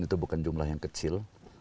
itu bukan jumlah yang kecil